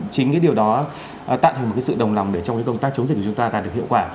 chính cái điều đó tạo thành một sự đồng lòng để trong cái công tác chống dịch của chúng ta đạt được hiệu quả